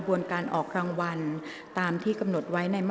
กรรมการท่านที่สามได้แก่กรรมการใหม่เลขหนึ่งค่ะ